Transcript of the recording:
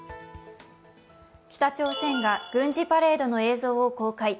北朝鮮が軍事パレードの映像を公開。